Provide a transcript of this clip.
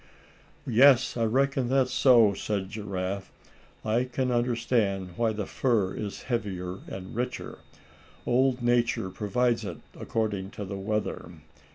"Yes, I reckon that's so," said Giraffe, "I can understand why the fur is heavier and richer. Old Nature provides it according to the weather.